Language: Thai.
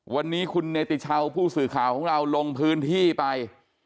วันนี้คุณเนติชาวผู้สื่อข่าวของเราลงพื้นที่ไป